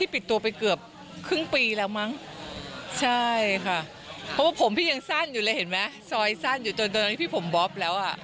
เพราะว่าผมพี่ยังสั้นอยู่เลยเห็นไหมซอยสั้นอยู่ตอนนั้นพี่ผมบ๊อบแล้ว